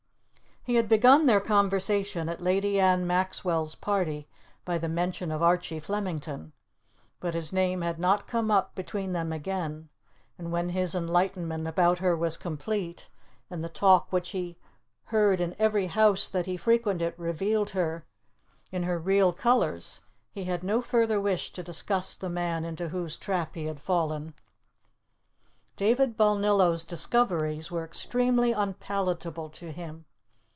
He had begun their conversation at Lady Anne Maxwell's party by the mention of Archie Flemington, but his name had not come up between them again, and when his enlightenment about her was complete, and the talk which he heard in every house that he frequented revealed her in her real colours, he had no further wish to discuss the man into whose trap he had fallen. David Balnillo's discoveries were extremely unpalatable to him.